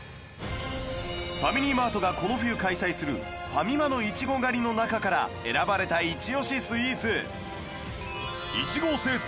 ファミリーマートがこの冬開催するファミマのいちご狩りの中から選ばれたイチ押しスイーツ